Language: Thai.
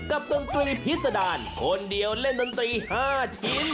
ดนตรีพิษดารคนเดียวเล่นดนตรี๕ชิ้น